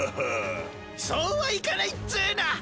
そうはいかないっツーナ！